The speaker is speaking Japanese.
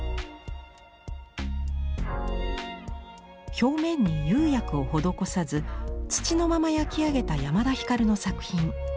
表面に釉薬を施さず土のまま焼き上げた山田光の作品。